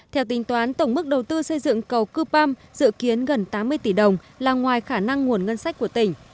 theo tính toán tổng mức đầu tư xây dựng cầu cư păm dự kiến gần tám mươi tỷ đồng là ngoài khả năng nguồn ngân sách của tỉnh